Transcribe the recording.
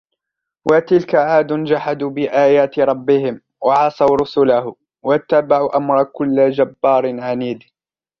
وَتِلْكَ عَادٌ جَحَدُوا بِآيَاتِ رَبِّهِمْ وَعَصَوْا رُسُلَهُ وَاتَّبَعُوا أَمْرَ كُلِّ جَبَّارٍ عَنِيدٍ